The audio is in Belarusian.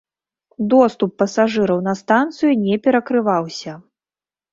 Доступ пасажыраў на станцыю не перакрываўся.